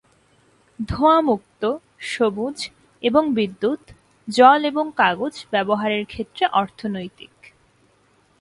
ধোঁয়া-মুক্ত, সবুজ, এবং বিদ্যুত, জল এবং কাগজ ব্যবহারের ক্ষেত্রে অর্থনৈতিক।